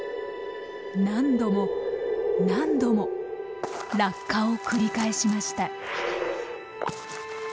何度も何度も落下を繰り返しました。